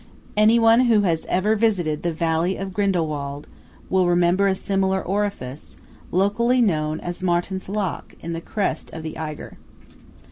Anyone who has ever visited the valley of Grindelwald will remember a similar orifice, locally known as Martinsloch, in the crest of the Eigher.